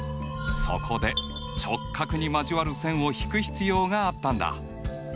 そこで直角に交わる線を引く必要があったんだ。